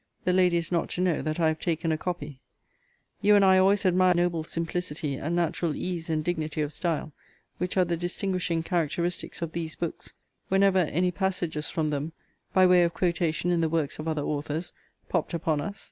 The lady is not to know that I have taken a copy. You and I always admired the noble simplicity, and natural ease and dignity of style, which are the distinguishing characteristics of these books, whenever any passages from them, by way of quotation in the works of other authors, popt upon us.